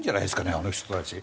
あの人たち。